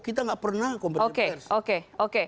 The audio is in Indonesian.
kita tidak pernah kompetitif pers